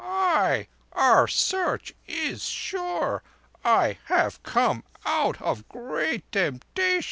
"Ay, our Search is sure. I have come out of great temptation."